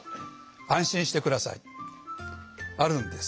安心して下さいあるんです。